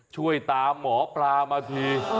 ช่วยตามหมอปลามาที